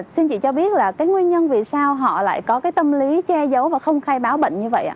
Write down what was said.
xin chị cho biết là cái nguyên nhân vì sao họ lại có cái tâm lý che giấu và không khai báo bệnh như vậy ạ